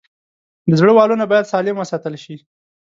د زړه والونه باید سالم وساتل شي.